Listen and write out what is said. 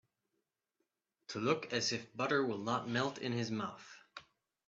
To look as if butter will not melt in his mouth.